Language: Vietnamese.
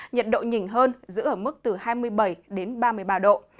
nhiệt độ nhìn hơn giữ ở mức từ hai mươi bảy đến ba mươi ba độ